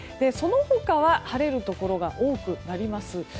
その他は晴れるところが多くなります。